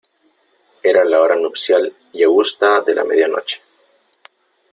era la hora nupcial y augusta de la media noche .